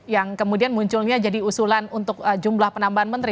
yang kemudian munculnya jadi usulan untuk jumlah penambahan menteri